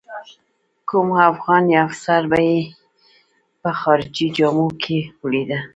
کوم افغان یا افسر به یې په خارجي جامو کې ولیده.